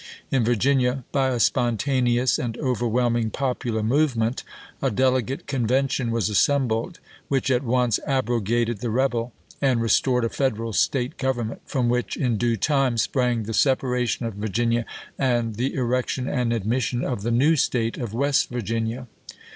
In Virginia, by a spontaneous and overwhelming popular movement, a delegate Convention was assembled, which at once abrogated the rebel, and restored a Federal State government, from which, in due time, sprang the separation of Virginia, and 3^ 344 ABRAHAM LINCOLN Chap. xvi. the erection and admission of the new State of West Virginia.